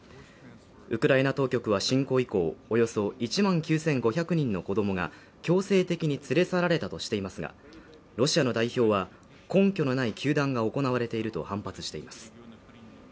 ウクライナ当局は侵攻以降、およそ１万９５００人の子供が強制的に連れ去られたとしていますが、ロシアの代表は、根拠のない糾弾が行われていると反発しています。